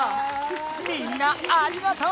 みんなありがとう！